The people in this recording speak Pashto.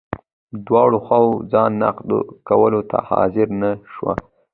دواړو خواوو ځان نقد کولو ته حاضره نه شوه.